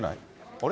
あれ？